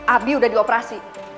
abi udah dioperasi